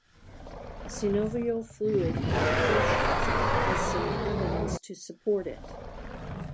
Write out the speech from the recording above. Synovial fluid cavitation has some evidence to support it.